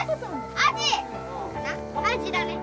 アジだね。